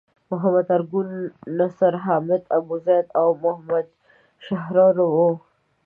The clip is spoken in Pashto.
محمد ارګون، نصر حامد ابوزید او محمد شحرور وو.